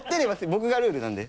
僕がルールなので。